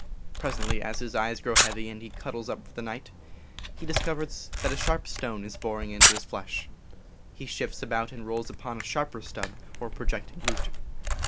Presently, as his eyes grow heavy and he cuddles up for the night, he discovers that a sharp stone is boring into his flesh. He shifts about, and rolls upon a sharper stub or projecting root.